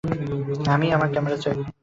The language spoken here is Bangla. আমি আমার ক্যামেরা চাই।